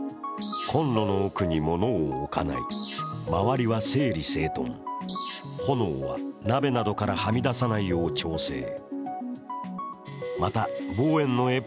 コンロの奥に物を置かない、周りは整理整頓、炎は鍋などからはみ出さないように調整。